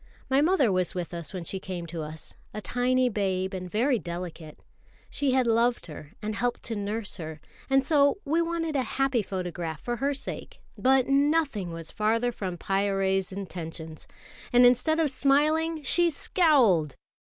My mother was with us when she came to us, a tiny babe and very delicate. She had loved her and helped to nurse her, and so we wanted a happy photograph for her sake; but nothing was further from Pyârie's intentions, and instead of smiling, she scowled.